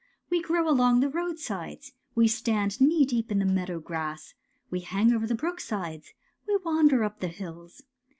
We grow along the roadsides. We stand knee deep in the meadow grass. We hang over the brooksides. We wander up the hills.